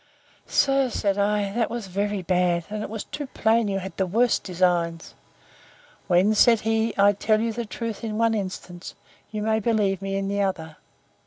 Sir, said I, that was very bad: and it was too plain you had the worst designs. When, said he, I tell you the truth in one instance, you may believe me in the other.